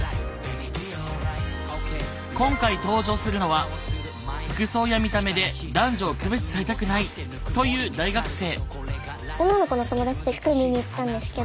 今回登場するのは服装や見た目で男女を区別されたくないという大学生。